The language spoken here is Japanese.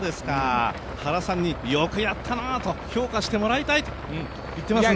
原さんによくやったなと評価してもらいたいと言っていますので。